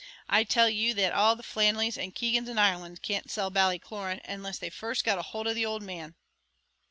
I tell ye that all the Flannellys and Keegans in Ireland can't sell Ballycloran, unless they first get hould of the owld man."